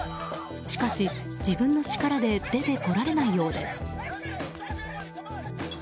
しかし、自分の力で出てこられないようです。